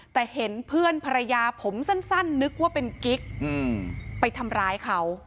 แต่เห็นเพื่อนภรรยาผมสั้นนึกว่าเป็นกิ๊กไปทำร้ายเขา